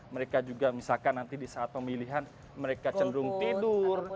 mereka juga misalkan nanti di saat pemilihan mereka cenderung tidur